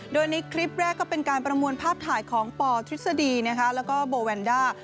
โดยในคลิปแรกก็เป็นการประมวลภาพถ่ายของปทฤษฎีแล้วก็โบแวนด้า